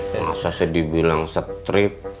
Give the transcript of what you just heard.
masa sedih bilang strip